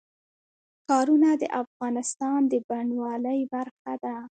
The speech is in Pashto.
ښارونه د افغانستان د بڼوالۍ برخه ده.